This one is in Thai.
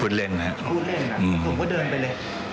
พูดเล่นนะพูดเล่นนะอืมอืมผมก็เดินไปเลย